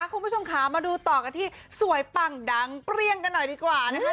คุณผู้ชมค่ะมาดูต่อกันที่สวยปังดังเปรี้ยงกันหน่อยดีกว่านะคะ